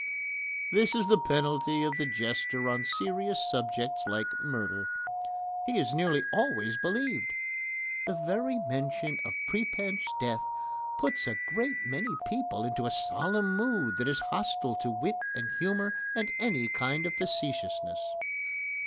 That is the penalty of the jester on serious subjects like murder. He is nearly always believed. The very mention of prepense death puts a great many people into a solemn mood that is hostile to wit and humour and any kind of facetiousness.